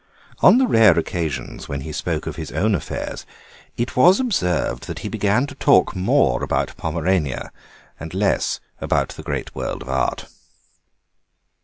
On the rare occasions when he spoke of his own affairs it was observed that he began to talk more about Pomerania and less about the great world of art.